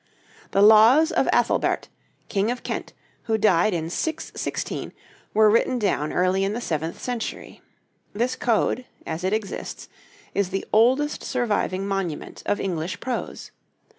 The laws of Athelbert, King of Kent, who died in 616, were written down early in the seventh century. This code, as it exists, is the oldest surviving monument of English prose.